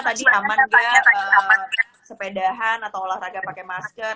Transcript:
tadi aman ya sepedahan atau olahraga pakai masker